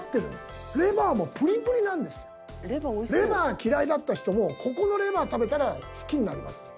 レバー嫌いだった人もここのレバー食べたら好きになります。